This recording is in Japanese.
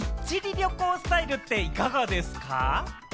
旅行スタイルっていかがですか？